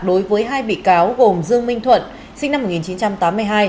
đối với hai bị cáo gồm dương minh thuận sinh năm một nghìn chín trăm tám mươi hai